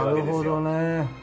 なるほどね。